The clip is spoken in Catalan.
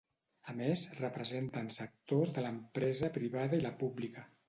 A més, representem sectors de l’empresa privada i la pública.